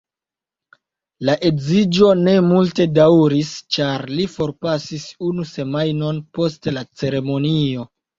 La edziĝo ne multe daŭris ĉar li forpasis unu semajnon post la ceremonio.